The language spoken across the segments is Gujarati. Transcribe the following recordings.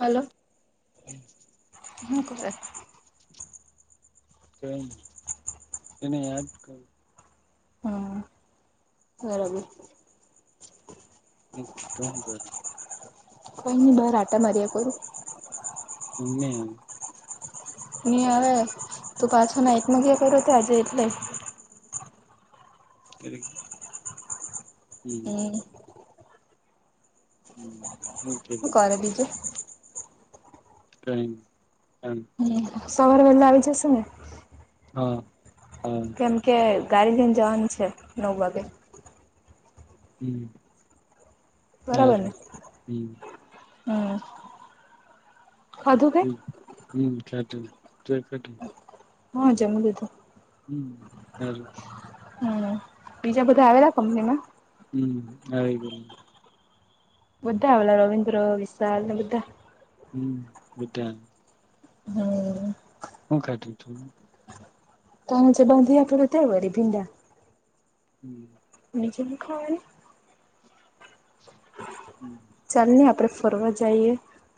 હલો હમ. હું કરે [inaudible] કઈ ની તેને યાદ કરું. હા બરાબર. કોઈ નઈ બાર આટા માર્યા કરું. ઘુમને આએ. ને હવે તું પાછો નાઈટમાં ગયા હસ. કર્યો તો આજે એટલે [inaudible] [unintelligible] હું. હ ઓકે. શું કરે બીજું [inaudible] હમ સવારે વહેલા આવી જશે ને હા. હા કેમ કે ગારી લ‌ઇ ને જવાનું છે. નવ વાગે હમ સારું હમ. કા. ખાઘુ. હું ખાધું તોય ખાધું. હા જમી લિધુ. હમ સારું. હમ બીજા બધા આવેરા કંપનીમાં. હમ આવી ગયો. બધા આવેલા રવિન્દ્ર વિશાલ ને બધા. હમ બઘાં. હા. હું કરતી થુ. ત જે બાંધી આપેલુ તે વળી ભીંડા. હમ. નીચે લીખા હોય ને. હમ. ચાલ નહીં આપણે ફરવા જઈએ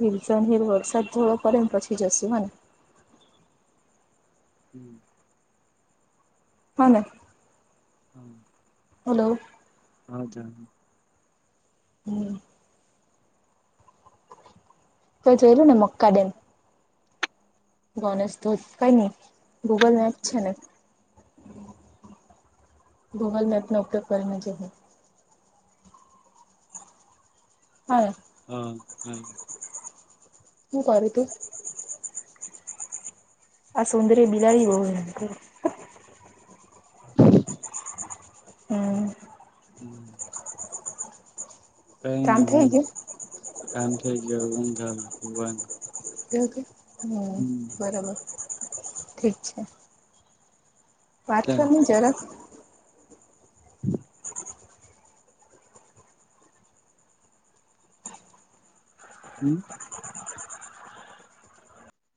હિલસન હિલ વરસાદ જોવાો પડે ને પછી જશું હો ને હમ હાને હા. હલો. આચ્છા. હમ. તે જયુંરુ ને મક્કા ડેમ. ગનેેશ તો કઈ નહી ગૂગલ મેપ છે ને ગૂગલ મેપ નો ઉપયોગ કરને જો હા હા હમ હું કરી તું આ સુંદર્ય બિદડી બ હમ હમ હમ કઈ ને કામ થઈ હું ગયું કામ થઈ ગયો હ થ હમ બરાબર ઠીક છે વાત કરને જરાસ [unintelligible] હમ